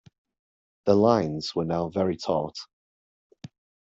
The lines were now very taut.